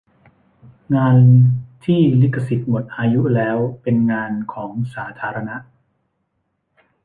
งานที่ลิขสิทธิ์หมดอายุแล้วเป็นงานของสาธารณะ